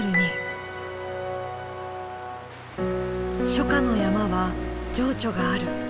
初夏の山は情緒がある。